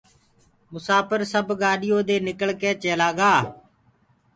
مساڦر سب گآڏيو دي نکݪ ڪي چيلآ گآ